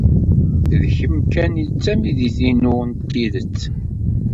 D kemm kan ay d tamidit-inu n tidet.